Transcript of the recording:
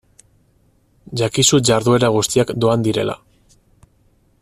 Jakizu jarduera guztiak doan direla.